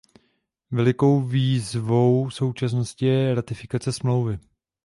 Velkou výzvou současnosti je ratifikace smlouvy.